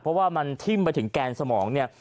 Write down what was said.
เพราะว่ามันทิ้มไปถึงแกนสมองเนี่ย